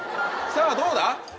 さぁどうだ？